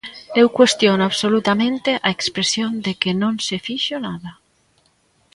Eu cuestiono absolutamente a expresión de que non se fixo nada.